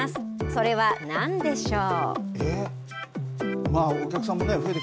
それは何でしょう。